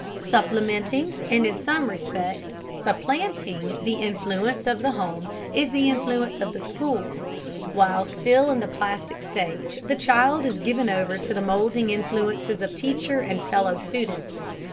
Supplementing, and in some respects supplanting, the influence of the home is the influence of the school. While still in the plastic stage the child is given over to the moulding influences of teacher and fellow students.